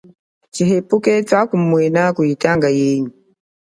Tshihepuke twakumumwena kuyitanga yenyi.